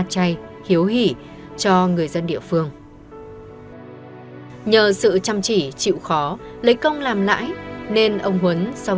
chay hiếu hỉ cho người dân địa phương nhờ sự chăm chỉ chịu khó lấy công làm lãi nên ông huấn xong